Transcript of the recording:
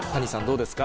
どうですか？